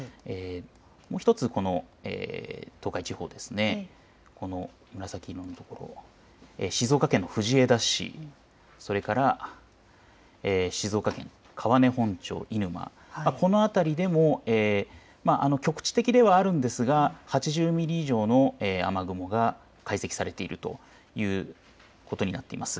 もう１つ、東海地方、紫色のところ静岡県藤枝市、それから静岡県川根本町犬間、この辺りでも局地的ではあるんですが８０ミリ以上の雨雲が解析されているということになっています。